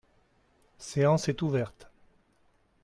séance est ouverte.